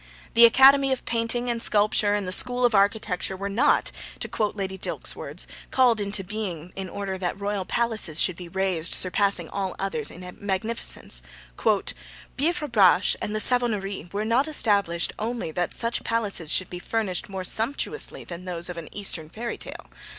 The Academy of Painting and Sculpture and the School of Architecture were not, to quote Lady Dilke's words, called into being in order that royal palaces should be raised surpassing all others in magnificence: Bievrebache and the Savonnerie were not established only that such palaces should be furnished more sumptuously than those of an Eastern fairy tale.